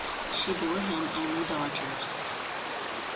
She bore him only daughters.